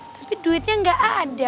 tapi duitnya enggak ada